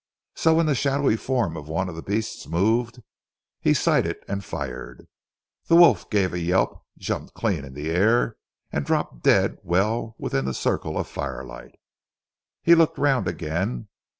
So when the shadowy form of one of the beasts moved, he sighted and fired. The wolf gave a yelp, jumped clean in the air, and dropped dead well within the circle of firelight. He looked round again.